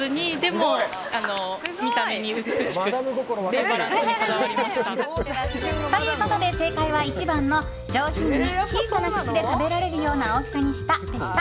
正解は。ということで正解は、１番の上品に小さな口で食べられるような大きさにしたでした。